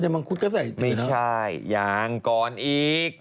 ไม่ใช่ยังก่อนอีก